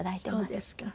そうですか。